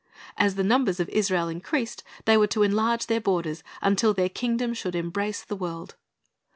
As the numbers of Israel increased, they were to enlarge their borders, until their kingdom should embrace the world.